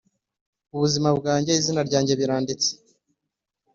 ubuzima bwawe izina ryawe biranditse